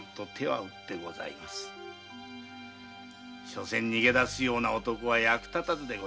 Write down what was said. しょせん逃げ出すような男は役立たずでございます。